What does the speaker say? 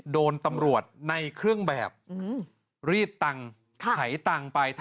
โดนตำรวจในเครื่องแบบรีดตังค์ไถตังค์ไป